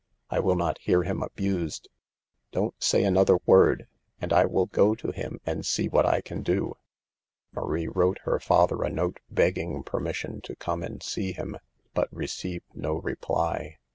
I will not hear him abused. Don't say another word, and I will go to him and see what I can do." Marie wrote her father a note begging per mission to come and see him, but received no reply.